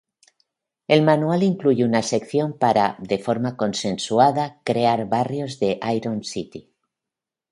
El manual incluye una sección para, de forma consensuada, crear barrios de Iron City.